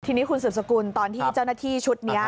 ทีนี้คุณสืบสกุลตอนที่เจ้าหน้าที่ชุดนี้